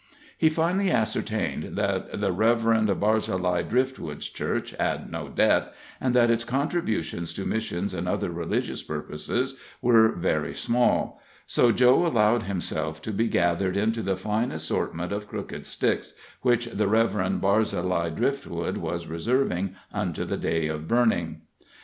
He finally ascertained that the Reverend Barzillai Driftwood's church had no debt, and that its contributions to missions and other religious purposes were very small, so Joe allowed himself to be gathered into the fine assortment of crooked sticks which the Reverend Barzillai Driftwood was reserving unto the day of burning.